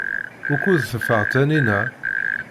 Wukud teffeɣ Taninna?